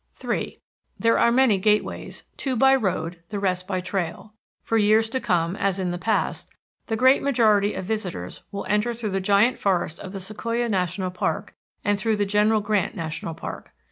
III There are many gateways, two by road, the rest by trail. For years to come, as in the past, the great majority of visitors will enter through the Giant Forest of the Sequoia National Park and through the General Grant National Park.